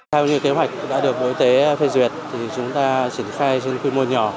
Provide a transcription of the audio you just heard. theo như kế hoạch đã được bộ y tế phê duyệt thì chúng ta triển khai trên quy mô nhỏ